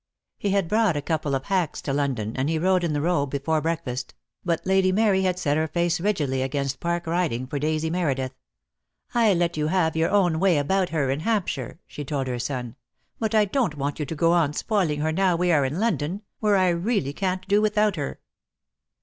He had brought a couple of hacks to London, and he rode in the Row before breakfast; but Lady Mary had set her face rigidly against Park riding for Daisy Meredith. "I let you have your own way about her in Hampshire," she told her son, "but I don't want you to go on spoiling her now we are in London, where I really can't do without her."